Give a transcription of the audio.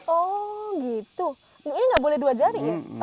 oh gitu ini nggak boleh dua jari ya